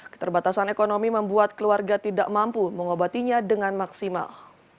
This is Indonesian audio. keterbatasan ekonomi membuat keluarga tidak mampu mengobatinya dengan maksimal